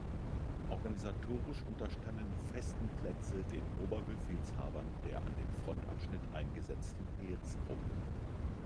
Organisatorisch unterstanden die „Festen Plätze“ den Oberbefehlshabern der an dem Frontabschnitt eingesetzten Heeresgruppen.